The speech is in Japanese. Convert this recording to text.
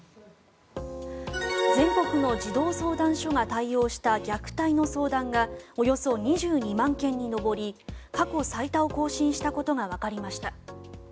全国の児童相談所が対応した虐待の相談がおよそ２２万件に上り過去最多を更新したことがわかりました。